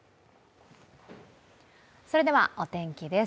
それではお天気です。